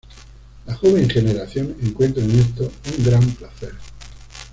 La joven generación encuentra en esto un gran placer.